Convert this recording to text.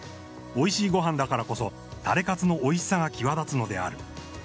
おいしいご飯だからこそタレかつのおいしさが際立つのである。